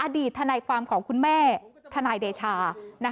ทนายความของคุณแม่ทนายเดชา